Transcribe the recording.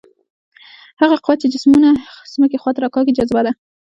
هغه قوه چې جسمونه ځمکې خواته راکاږي جاذبه ده.